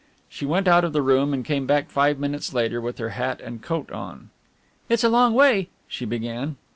She went out of the room and came back five minutes later with her hat and coat on. "It's a long way," she began.